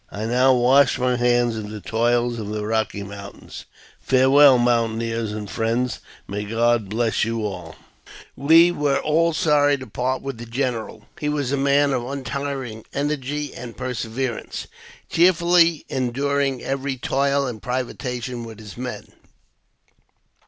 " I now wash my hands of the toils of the Eocky Moun tains. Farewell, mountaineers and friends ! May God bless you all !" We were all sorry to part with the general. He was a man of untiring energy and perseverance, cheerfully enduring every toil and privation with his men.